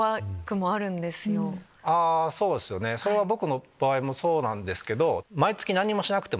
それは僕の場合もそうなんですけど。